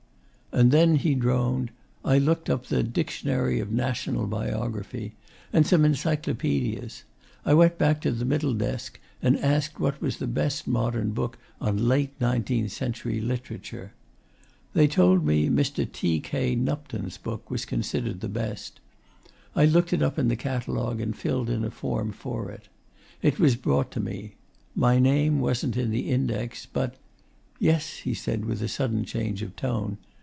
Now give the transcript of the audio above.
'And then,' he droned, 'I looked up the "Dictionary of National Biography" and some encyclopedias.... I went back to the middle desk and asked what was the best modern book on late nineteenth century literature. They told me Mr. T. K. Nupton's book was considered the best. I looked it up in the catalogue and filled in a form for it. It was brought to me. My name wasn't in the index, but Yes!' he said with a sudden change of tone.